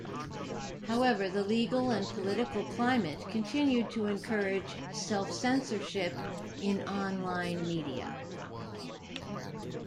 However, the legal and political climate continued to encourage self-censorship in online media.